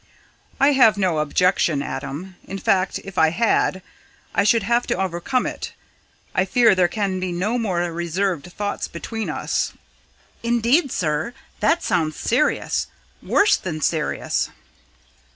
"I have no objection, Adam in fact, if I had, I should have to overcome it. I fear there can be no more reserved thoughts between us." "Indeed, sir, that sounds serious, worse than serious!"